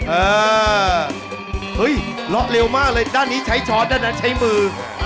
เออเฮ้ยละเร็วมากเลยด้านนี้ใช้ช้อนด้านนั้นใช้มือ